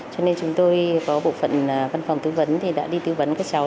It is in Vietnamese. cho nên chúng tôi có bộ phận văn phòng tư vấn thì đã đi tư vấn các cháu